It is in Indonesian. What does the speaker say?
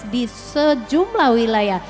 di sejumlah wilayah